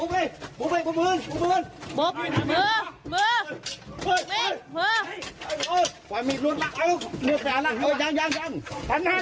หลางมีดลงหลงมีดลงหลางมีดลงลงมีดลงให้มีด